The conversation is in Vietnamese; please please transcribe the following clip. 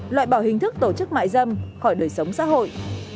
loại bỏ hình thức tổ chức mại dâm khỏi đời sống xã hội